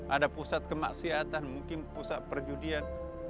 ada pusat kemaksiatan mungkin pusat perjudian